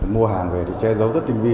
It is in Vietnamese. mua hàng về thì che dấu rất tình vi